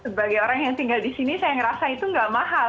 sebagai orang yang tinggal disini saya ngerasa itu gak mahal